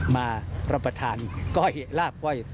มารับประทานก้อยลาบก้อย